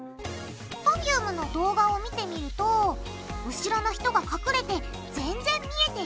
Ｐｅｒｆｕｍｅの動画を見てみると後ろの人が隠れてぜんぜん見えていない。